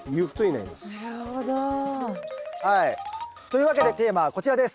なるほど。というわけでテーマはこちらです。